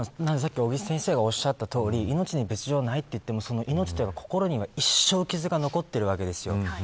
さっき、尾木先生がおっしゃったとおり命に別条はないといっても心には一生傷が残っているわけですよ。